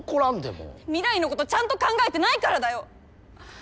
未来のことちゃんと考えてないからだよ！